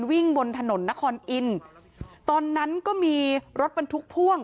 เหมือนวิ่งบนถนนนครอลอินต์ตอนนั้นก็มีรถบรรทุกพ่วง